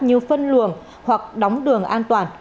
như phân luồng hoặc đóng đường an toàn